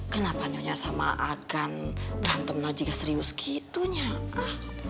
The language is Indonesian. kenapa nyonya sama akan berantem nanti jika serius gitu nyaka